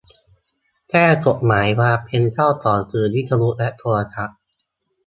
แก้กฎหมายความเป็นเจ้าของสื่อวิทยุและโทรทัศน์